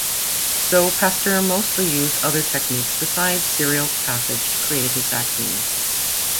So, Pasteur mostly used other techniques besides serial passage to create his vaccines.